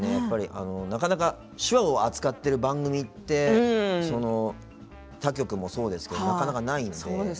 手話を扱ってる番組って他局もそうですけどなかなかないので。